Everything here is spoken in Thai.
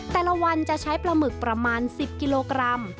แต่ละวันจะใช้ปลาหมึกประมาณ๑๐กิโลกรัม